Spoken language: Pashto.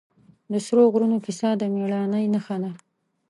د سرو غرونو کیسه د مېړانې نښه ده.